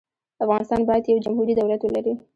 افغانستان باید یو جمهوري دولت ولري.